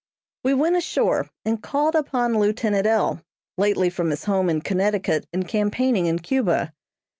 We went ashore and called upon lieutenant L., lately from his home in Connecticut and campaigning in Cuba.